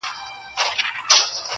که طوطي چېري ګنجی لیدلی نه وای!